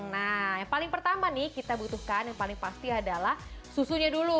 nah yang paling pertama nih kita butuhkan yang paling pasti adalah susunya dulu